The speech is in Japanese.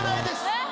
えっ。